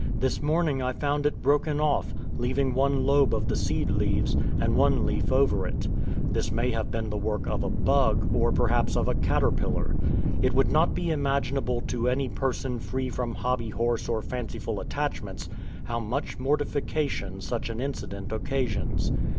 This morning I found it broken off, leaving one lobe of the seed leaves, and one leaf over it. This may have been the work of a bug, or perhaps of a caterpillar. It would not be imaginable to any person free from hobby horse or fanciful attachments, how much mortification such an incident occasions.